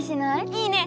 いいね！